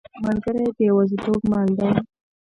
ملګری د یوازیتوب مل دی.